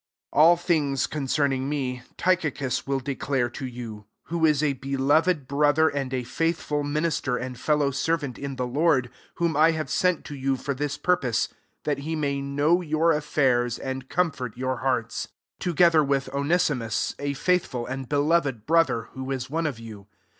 7 All things concerning me, Tychicus will declare to you, vho U a beloved brother, and . faithful minister and fellow ervant in the Lord ; 8 whom I lave sent to you for this pur »o8e, that he may know your .flairs, and comfort your hearts; > together with Onesimus, a faithful and beloved brother, who is one of you.